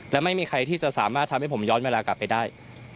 และไม่มีใครที่จะสามารถทำให้ผมย้อนเวลากลับไปได้